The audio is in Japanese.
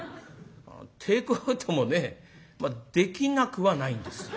テークアウトもねできなくはないんですよ。